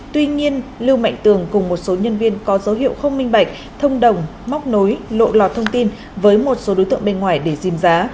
tuy nhiên lưu mạnh tường cùng một số nhân viên có dấu hiệu không minh bạch thông đồng móc nối lộ lọt thông tin với một số đối tượng bên ngoài để dìm giá